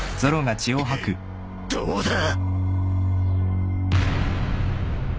どうだ！